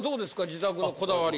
自宅のこだわり。